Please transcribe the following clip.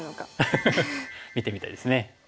見てみたいですね。